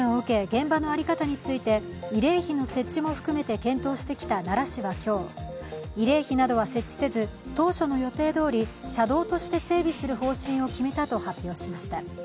現場の在り方について慰霊碑の設置も含めて検討してきた奈良市は今日慰霊碑などは設置せず、当初の予定どおり車道として整備する方針を決めたと発表しました。